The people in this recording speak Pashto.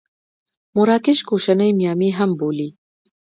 مراکش کوشنۍ میامي هم بولي.